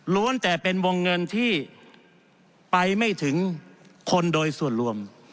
แต่เป็นวงเงินที่ไปไม่ถึงคนโดยส่วนรวม